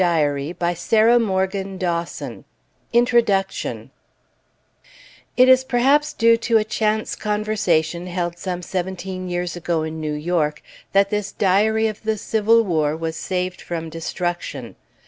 JUDGE THOMAS GIBBES MORGAN 346 INTRODUCTION It is perhaps due to a chance conversation, held some seventeen years ago in New York, that this Diary of the Civil War was saved from destruction.